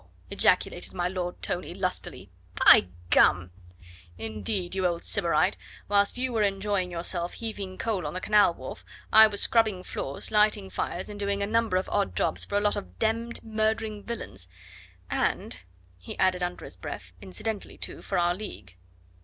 ejaculated my Lord Tony lustily. "By gum!" "Indeed, you old sybarite, whilst you were enjoying yourself heaving coal on the canal wharf, I was scrubbing floors, lighting fires, and doing a number of odd jobs for a lot of demmed murdering villains, and" he added under his breath "incidentally, too, for our league.